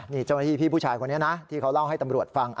นี่เจ้าหน้าที่พี่ผู้ชายคนนี้นะที่เขาเล่าให้ตำรวจฟัง